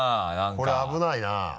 これ危ないな。